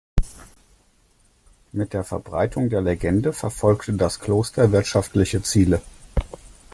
Mit der Verbreitung der Legende verfolgte das Kloster wirtschaftliche Ziele.